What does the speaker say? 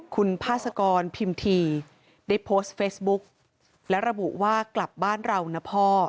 คุณพาสกรพิมพีได้โพสต์เฟซบุ๊กและระบุว่ากลับบ้านเรานะพ่อ